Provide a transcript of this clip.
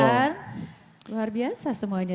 luar biasa semuanya